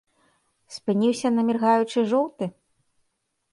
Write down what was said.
Спыніўся на міргаючы жоўты?